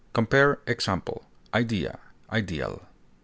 Compare EXAMPLE; IDEA; IDEAL.